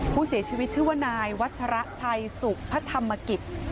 ผู้เสียชีวิตชื่อว่านายวัชระชัยสุขพระธรรมกิจ